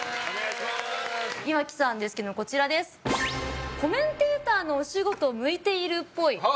岩城さんですけどコメンテーターのお仕事向いているっぽい。